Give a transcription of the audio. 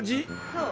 そう。